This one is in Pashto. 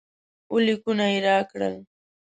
اووه لیکونه یې راکړل.